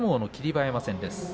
馬山戦です。